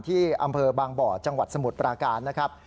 ที่อำเภอบางบ่อจังหวัดสมุทรปราการนะครับ